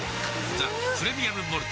「ザ・プレミアム・モルツ」